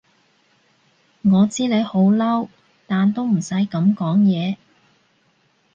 我知你好嬲，但都唔使噉講嘢